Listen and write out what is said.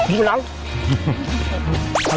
มุมน้ำ